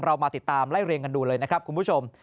มาติดตามไล่เรียงกันดูเลยนะครับคุณผู้ชม